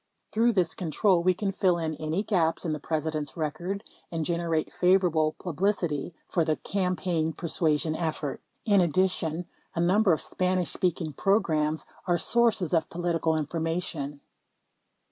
Through this control, we can fill in any gaps in the President's record and generate favorable publicity for the campaign persuasion effort. In addition, a number of Spanish speaking programs are sources of political information.